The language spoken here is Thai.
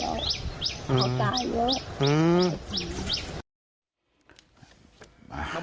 เขาตายแล้ว